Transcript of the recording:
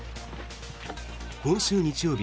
今週日曜日